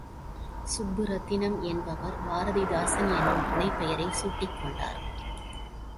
சுப்புரத்தினம் என்பவர் பாரதிதாசன் என்னும் புனைபெயர் சூட்டிக் கொண்டார்.